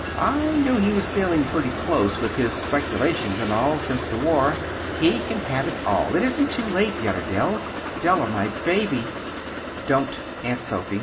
I knew he was sailing pretty close, with his speculations and all, since the war. He can have it all. It isn't too late yet. Adele! Della, my baby." "Don't, Aunt Sophy.